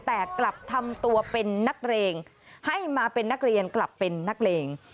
แต่กลับทำตัวเป็นนักเลงให้มาเป็นนักเรียนกลับเป็นนักเลง